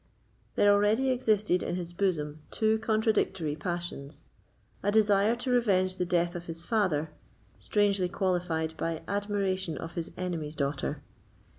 There already existed in his bosom two contradictory passions—a desire to revenge the death of his father, strangely qualified by admiration of his enemy's daughter.